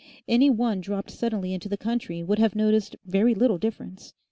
Any one dropped suddenly into the country would have noticed very little difference.